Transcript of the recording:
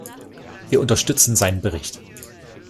Wir unterstützen seinen Bericht.